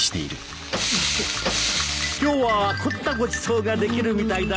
今日は凝ったごちそうができるみたいだな。